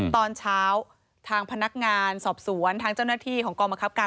ตอนเช้าทางพนักงานสอบสวนทางเจ้าหน้าที่ของกองบังคับการ